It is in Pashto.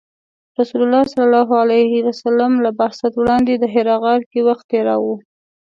رسول الله ﷺ له بعثت وړاندې د حرا غار کې وخت تیراوه .